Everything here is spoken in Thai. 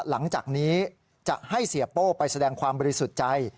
หลังจากนี้จะให้เสียโป้ไปแสดงความบริสุทธิ์ใจ